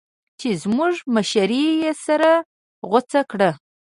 چې زموږ مشر يې سر غوڅ کړ.